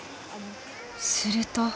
［すると］